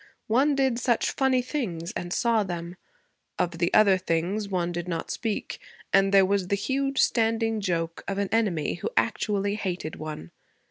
One did such funny things, and saw them; of the other things one did not speak; and there was the huge standing joke of an enemy who actually hated one.